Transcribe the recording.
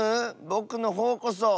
ぼくのほうこそうん。